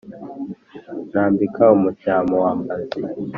Ntambika umucyamo wa Mbazi,